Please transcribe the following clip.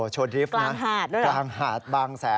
โชว์ดริฟต์นะ